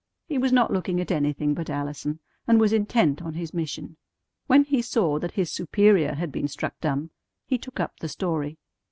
He was not looking at anything but Allison, and was intent on his mission. When he saw that his superior had been struck dumb, he took up the story.